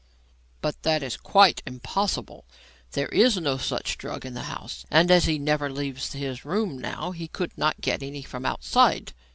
"But that is quite impossible. There is no such drug in the house, and as he never leaves his room now, he could not get any from outside."